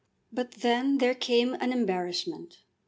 But then there came an embarrassment.